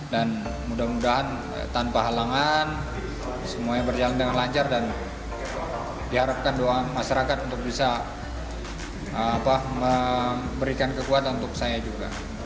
dan mudah mudahan tanpa halangan semuanya berjalan dengan lancar dan diharapkan doa masyarakat untuk bisa memberikan kekuatan untuk saya juga